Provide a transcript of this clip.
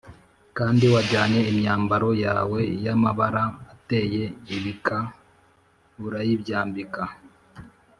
kandi wajyanye imyambaro yawe y’amabara ateye ibika urayibyambika